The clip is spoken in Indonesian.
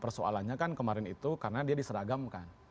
persoalannya kan kemarin itu karena dia diseragamkan